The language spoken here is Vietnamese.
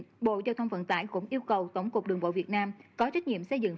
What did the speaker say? theo quy định bộ giao thông vận tải cũng yêu cầu tổng cục đường bộ việt nam có trách nhiệm xây dựng